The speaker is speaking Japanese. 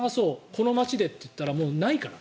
この街でといったらもうないから。